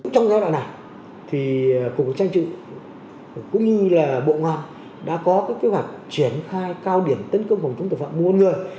trong giai đoạn này cục trang trị cũng như bộ ngoại đã có kế hoạch triển khai cao điểm tấn công phòng chấn tội phạm mua bán người